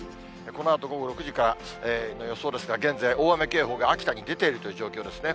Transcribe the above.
このあと午後６時からの予想ですが、現在、大雨警報が秋田に出ているという状況ですね。